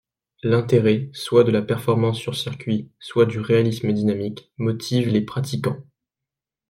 L'intérêt soit de la performance sur circuit, soit du réalisme dynamique motive les pratiquants.